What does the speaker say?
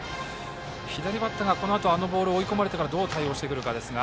左バッターがあのあと追い込まれてからどう対応してくるかですが。